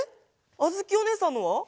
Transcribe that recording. あづきおねえさんのは？